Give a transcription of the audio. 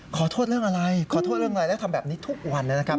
ขอโทษเรื่องอะไรและทำแบบนี้ทุกวันนั้น